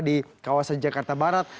di kawasan jakarta barat